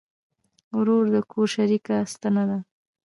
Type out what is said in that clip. ورور د کور شریکه ستنه ده.